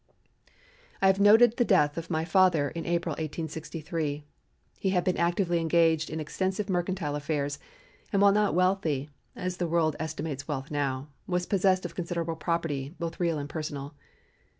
I have noted the death of my father in April, 1863. He had been actively engaged in extensive mercantile affairs, and while not wealthy (as the world estimates wealth now), was possessed of considerable property, both real and personal.